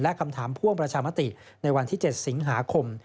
และคำถามแรกพ่วงใน๗สิงหาคม